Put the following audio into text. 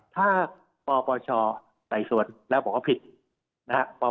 ถ้าปปชใส่ส่วนแล้วก็พิดนะครับ